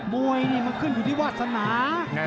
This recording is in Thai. มวยนี่มันขึ้นอยู่ที่วาสนา